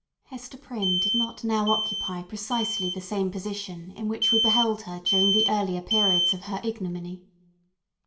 Hester Prynne did not now occupy precisely the same position in which we beheld her during the earlier periods of her ignominy.